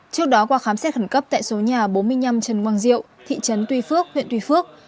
trước đó qua khám xét khẩn cấp tại số nhà bốn mươi năm trần quang diệu thị trấn tuy phước huyện tuy phước